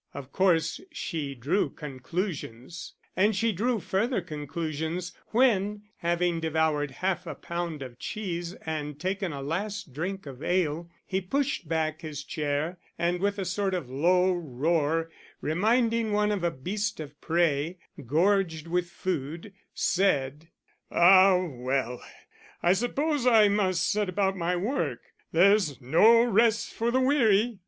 Of course she drew conclusions; and she drew further conclusions, when, having devoured half a pound of cheese and taken a last drink of ale, he pushed back his chair and with a sort of low roar, reminding one of a beast of prey gorged with food, said "Ah, well, I suppose I must set about my work. There's no rest for the weary."